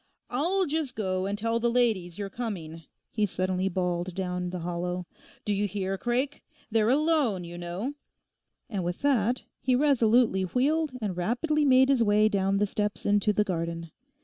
'I'll just go and tell the ladies you're coming,' he suddenly bawled down the hollow. 'Do you hear, Craik? They're alone, you know.' And with that he resolutely wheeled and rapidly made his way down the steps into the garden.